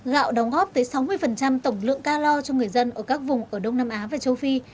gạo đóng góp tới sáu mươi tổng lượng ca lo cho người dân ở các vùng ở đông nam á và châu phi